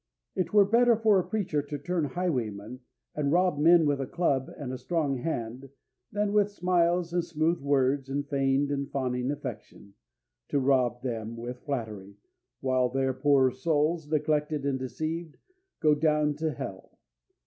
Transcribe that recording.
It were better for a preacher to turn highwayman, and rob men with a club and a strong hand, than, with smiles and smooth words and feigned and fawning affection, to rob them with flattery, while their poor souls, neglected and deceived, go down to Hell.